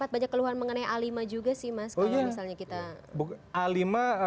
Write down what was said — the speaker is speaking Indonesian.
banyak keluhan mengenai a lima juga sih mas kalau misalnya kita a lima